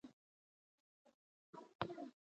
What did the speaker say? پښتو ژبه زموږ د بقا وسیله ده.